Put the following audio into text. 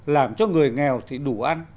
làm cho người nghèo thì đủ ăn